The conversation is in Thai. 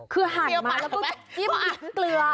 คือหันมาแล้วก็จะจิ้มมิดเกลือ